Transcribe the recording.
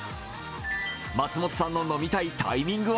松本さんの飲みたいタイミングは？